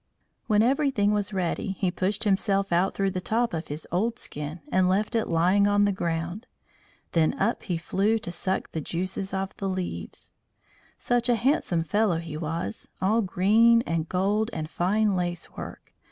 When everything was ready he pushed himself out through the top of his old skin and left it lying on the ground. Then up he flew to suck the juices of the leaves. Such a handsome fellow he was all green and gold and fine lace work.